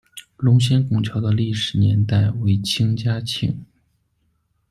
龙仙拱桥的历史年代为清嘉庆。